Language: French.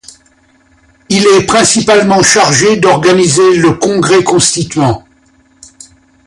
Il est principalement chargé d'organiser le congrès constituant.